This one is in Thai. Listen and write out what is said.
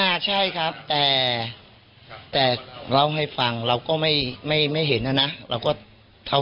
อ่าใช่ครับแต่เราให้ฟังเราก็ไม่เห็นนะนะ